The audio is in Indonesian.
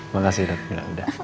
terima kasih dok